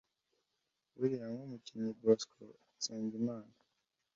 Buriya nk’umukinnyi Bosco (Nsengimana)